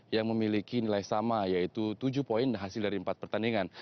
yang memiliki nilai sama yaitu tujuh poin hasil dari empat pertandingan